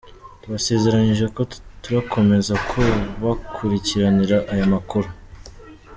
Tubasezeranyije ko turakomeza kubakurikiranira aya makuru.